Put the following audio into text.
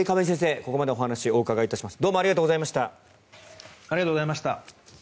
ここまでお話をお伺いしました。